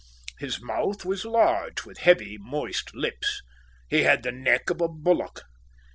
His mouth was large, with heavy moist lips. He had the neck of a bullock.